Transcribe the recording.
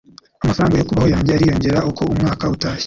Amafaranga yo kubaho yanjye ariyongera uko umwaka utashye.